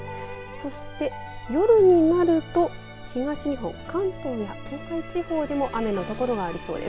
そして夜になると東日本、関東や東海地方でも雨の所がありそうです。